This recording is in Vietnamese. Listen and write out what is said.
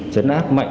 chấn áp mạnh